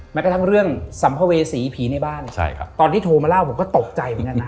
กระทั่งเรื่องสัมภเวษีผีในบ้านตอนที่โทรมาเล่าผมก็ตกใจเหมือนกันนะ